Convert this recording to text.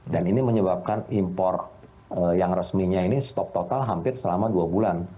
dan ini menyebabkan impor yang resminya ini stok total hampir selama sepuluh bulan